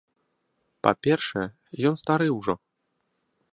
Па-першае, ён стары ўжо.